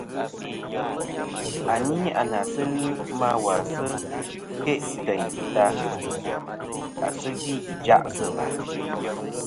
À ni a nà sɨ ghɨ ma wà sɨ kêʼ tèyn ta à sɨ gvî ìjaʼ sɨ và.